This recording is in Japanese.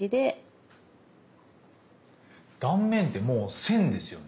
断面ってもう線ですよね。